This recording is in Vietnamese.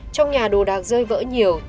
trong nhà đồ đạc rơi vỡ nhiều